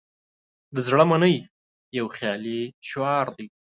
"د زړه منئ" یو خیالي شعار دی.